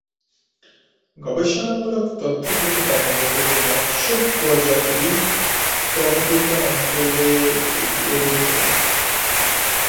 গবেষণামূলক তথ্য থেকে দেখা গেছে যে মৎস্য প্রজাতি প্রভাবিত অঞ্চলকে এড়িয়ে চলে।